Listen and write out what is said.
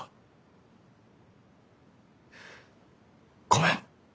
ごめん。